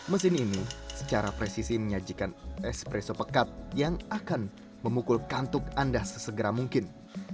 mesin ini secara presisi menyajikan espresso pekat yang akan memukul kantuk anda sesegera mungkin